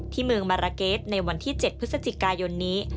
เมืองมาราเกสในวันที่๗พฤศจิกายนนี้